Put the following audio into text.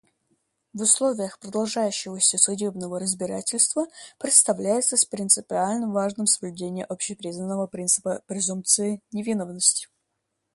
В условиях продолжающегося судебного разбирательства представляется принципиально важным соблюдение общепризнанного принципа презумпции невиновности.